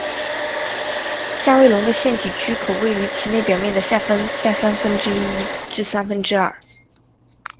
下位笼的腺体区可位于其内表面的下三分之一至三分之二。